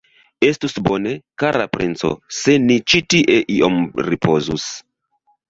Estus bone, kara princo, se ni ĉi tie iom ripozus.